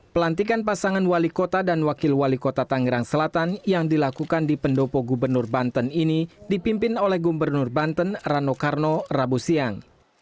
pelantikan pasangan wali kota dan wakil wali kota tangerang selatan yang dilakukan di pendopo gubernur banten ini dipimpin oleh gubernur banten rano karno rabu siang